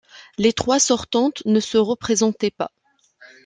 Les trois sortantes ne se représentaient pas.